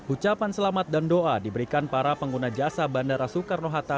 ucapan selamat dan doa diberikan para pengguna jasa bandara soekarno hatta